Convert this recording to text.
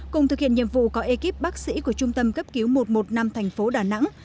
cùng thực hiện nhiệm vụ có ekip bác sĩ của trung tâm cấp cứu một trăm một mươi năm thành phố đà nẵng